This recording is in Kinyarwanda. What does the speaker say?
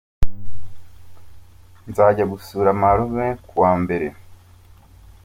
Nzajya gusura marume ku wa mbere.